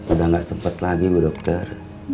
udah gak sempat lagi bu dokter